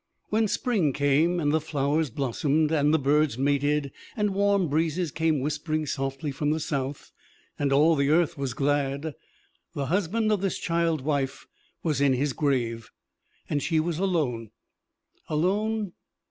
When Spring came, and the flowers blossomed, and the birds mated, and warm breezes came whispering softly from the South, and all the earth was glad, the husband of this child wife was in his grave, and she was alone. Alone?